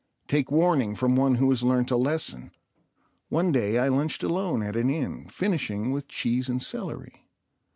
Take warning from one who has learnt a lesson. One day I lunched alone at an inn, finishing with cheese and celery.